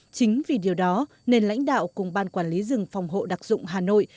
chính vì điều đó nên lãnh đạo cùng ban quản lý rừng phòng hộ đặc dụng hà nội